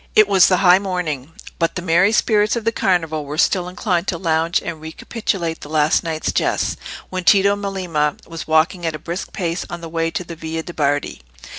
It was the high morning, but the merry spirits of the Carnival were still inclined to lounge and recapitulate the last night's jests, when Tito Melema was walking at a brisk pace on the way to the Via de' Bardi.